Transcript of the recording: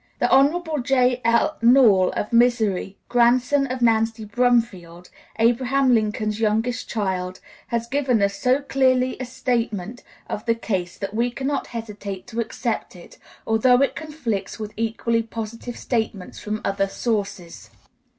The Hon. J. L. Nall, of Missouri, grandson of Nancy (Lincoln) Brumfield, Abraham Lincoln's youngest child, has given us so clear a statement of the case that we cannot hesitate to accept it, although it conflicts with equally positive statements from other sources.